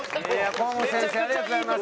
河本先生ありがとうございます。